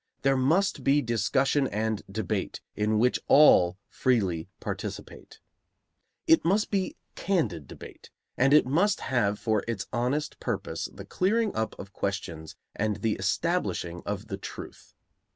There must be discussion and debate, in which all freely participate. It must be candid debate, and it must have for its honest purpose the clearing up of questions and the establishing of the truth.